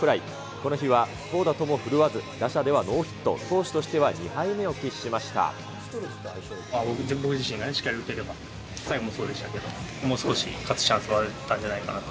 この日は投打とも振るわず、打者ではノーヒット、投手として僕自身がね、しっかり打てれば、最後もそうでしたけど、もう少し勝つチャンスはあったんじゃないかなと。